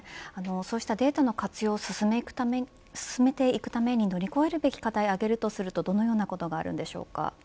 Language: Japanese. そうしたデータの活用を進めていくために乗り越えていく課題を挙げるとするとどのようなことがありますか。